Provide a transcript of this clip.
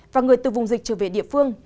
và người từ vùng dịch trở về địa phương